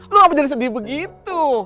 lu kenapa jadi sedih begitu